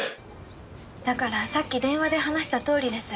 だからさっき電話で話したとおりです。